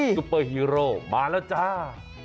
ซุปเปอร์ฮีโร่มาแล้วจ้า